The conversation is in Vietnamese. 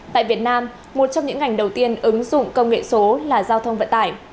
tại việt nam một trong những ngành đầu tiên ứng dụng công nghệ số là giao thông vận tải